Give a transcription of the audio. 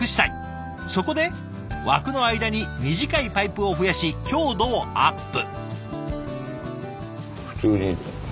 そこで枠の間に短いパイプを増やし強度をアップ。